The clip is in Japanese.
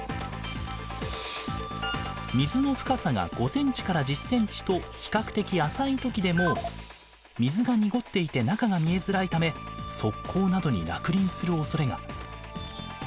水の深さが５ｃｍから１０ｃｍと比較的浅い時でも水が濁っていて中が見えづらいため側溝などに落輪するおそれが。